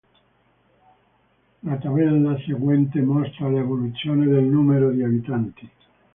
La tabella seguente mostra l'evoluzione del numero di abitanti.